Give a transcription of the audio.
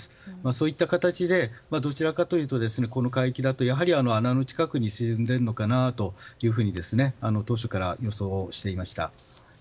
そういった形でどちらかというとこの海域だと穴の近くに沈んでいるのかなと当初から予想していました。